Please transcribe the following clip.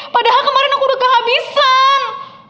padahal kemarin aku udah kehabisan